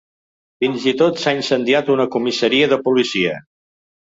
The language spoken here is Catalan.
Fins i tot, s’ha incendiat una comissaria de policia.